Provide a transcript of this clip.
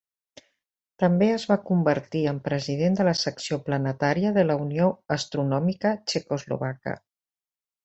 També es va convertir en president de la secció planetària de la Unió Astronòmica Txecoslovaca.